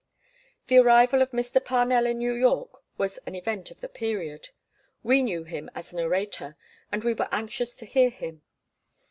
The arrival of Mr. Parnell in New York was an event of the period. We knew he was an orator, and we were anxious to hear him.